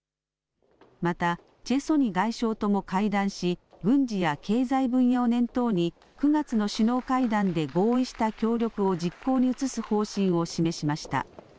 またチェ・ソニ外相とも会談し、軍事や経済分野を念頭に、９月の首脳会談で合意した協力を実行に移す方針を示しました。